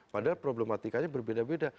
padahal problematikanya berbeda beda